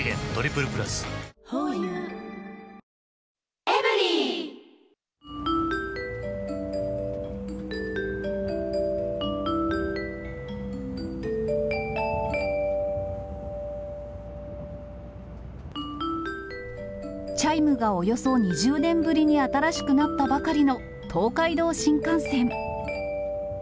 ホーユーチャイムがおよそ２０年ぶりに新しくなったばかりの東海道新幹線。